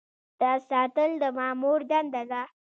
راز ساتل د مامور دنده ده